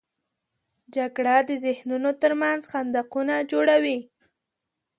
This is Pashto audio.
جګړه د ذهنونو تر منځ خندقونه جوړوي